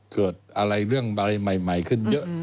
เกิดอะไรเรื่องใบใหม่ขึ้นเยอะ